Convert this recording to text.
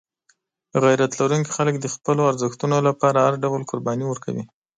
غیرت لرونکي خلک د خپلو ارزښتونو لپاره هر ډول قرباني ورکوي.